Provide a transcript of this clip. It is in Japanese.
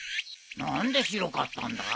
何で白かったんだ？